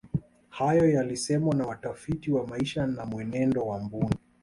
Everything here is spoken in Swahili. hayo yalisemwa na watafiti wa maisha na mwenendo wa mbuni